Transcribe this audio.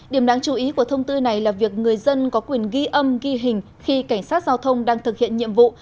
điểm đáng chú ý của thông tư này là việc người dân có quyền ghi âm ghi hình khi cảnh sát giao thông đang thực hiện nhiệm vụ